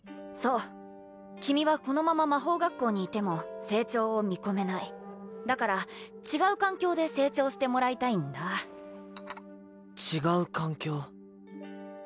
そう君はこのまま魔法学校にいても成長を見込めないだから違う環境で成長してもらいたいんだ違う環境？